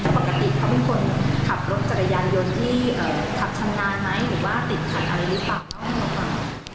ปกติเขาเป็นคนขับรถจักรยานยนต์ที่นี่ขับชำนานไหมหรือว่าติดถัดอะไรเลยป่ะ